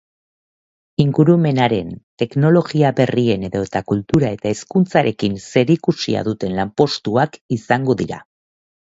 Ingurumenaren, teknologia berrien edota kultura eta hezkuntzarekin zerikusia duten lanpostuak izango dira.